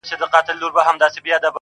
ښوره زاره مځکه نه کوي ګلونه،